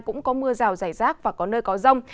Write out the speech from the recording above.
cũng có mưa rào rải rác và có nơi có rông